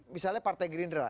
misalnya partai gerindra